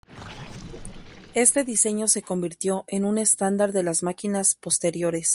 Este diseño se convirtió en un estándar de las máquinas posteriores.